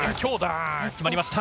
決まりました。